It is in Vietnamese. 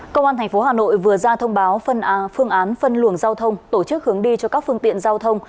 công an tp hà nội vừa ra thông báo phương án phân luồng giao thông tổ chức hướng đi cho các phương tiện giao thông